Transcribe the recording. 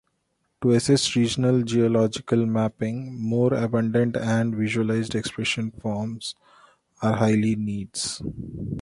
To assist regional geological mapping, more abundant and visualized expression forms are highly needs.